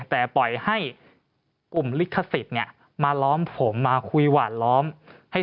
แต่ปล่อยให้กลุ่มลิขสิทธิ์มาล้อมผมมาคุยหวานล้อมให้